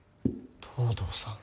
東堂さん。